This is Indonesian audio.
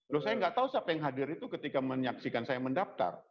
loh saya nggak tahu siapa yang hadir itu ketika menyaksikan saya mendaftar